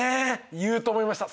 言うと思いました。